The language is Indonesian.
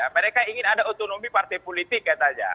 mereka ingin ada otonomi partai politik kata aja